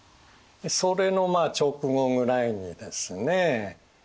それの直後ぐらいにですね